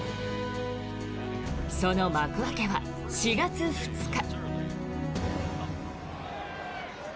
その幕開けは４月２日。